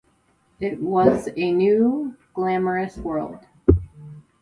It was a new, glamorous world.